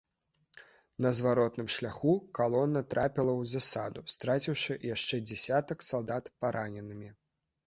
На зваротным шляху калона трапіла ў засаду, страціўшы яшчэ дзясятак салдат параненымі.